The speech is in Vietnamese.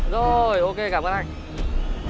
rồi ok cảm ơn anh